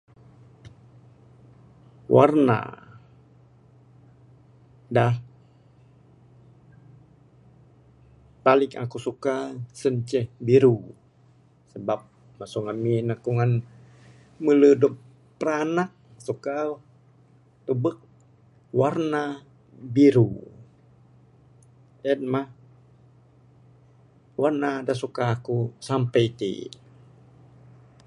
Warna dak paling akuk suka, sien ceh biru sebab masu ngamin akuk ngan melu dog piranak suka tebuk warna biru. En mah warna da suka akuk sampei iti'.